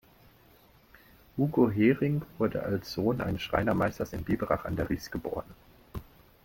Hugo Häring wurde als Sohn eines Schreinermeisters in Biberach an der Riß geboren.